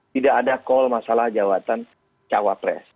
tidak ada call masalah jawatan cawapres